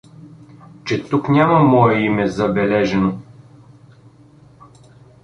— Че тук няма мое име забележено?